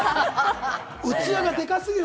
器がデカすぎる。